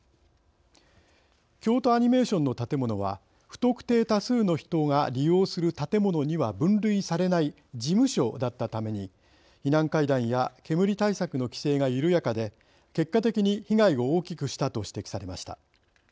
京都アニメーションの建物は不特定多数の人が利用する建物には分類されない事務所だったために避難階段や煙対策の規制が緩やかで結果的に被害を大きくしたと指摘されました。